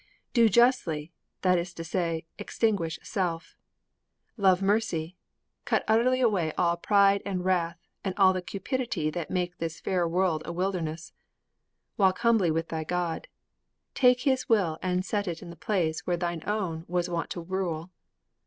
Do justly, that is to say, extinguish self; love mercy, cut utterly away all the pride and wrath and all the cupidity that make this fair world a wilderness; walk humbly with thy God, take his will and set it in the place where thine own was wont to rule.